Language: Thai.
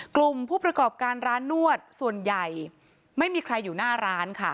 กลุ่มผู้ประกอบการร้านนวดส่วนใหญ่ไม่มีใครอยู่หน้าร้านค่ะ